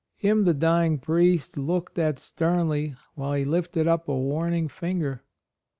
Him the dying priest looked at sternly, while he lifted up a warning finger.